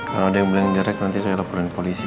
kalau ada yang bilang jelek nanti saya laporan ke polisi